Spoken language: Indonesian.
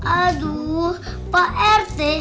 aduh pak rt